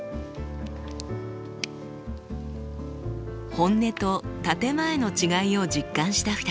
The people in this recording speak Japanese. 本音と建て前の違いを実感した２人。